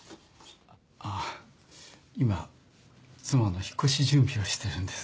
あっ今妻の引っ越し準備をしてるんです。